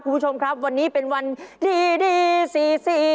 คุณผู้ชมครับวันนี้เป็นวันดีสี่สี่